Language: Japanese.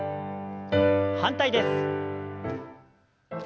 反対です。